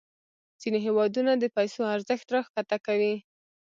ځینې هیوادونه د پیسو ارزښت راښکته کوي.